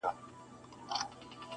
• سوځول یې یو د بل کلي ښارونه -